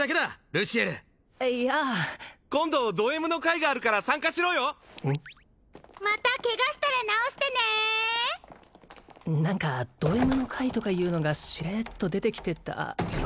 ルシエルいやあ今度ドＭの会があるから参加しろよまたケガしたら治してね何かドＭの会とかいうのがしれっと出てきてたよ